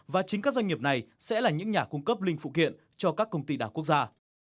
và chính các doanh nghiệp này sẽ là những nhà cung cấp linh phụ kiện cho các công ty đảo quốc gia